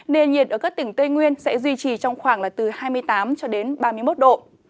nền nhiệt ở các tỉnh tây nguyên sẽ duy trì trong khoảng là từ hai mươi tám cho đến ba mươi một độ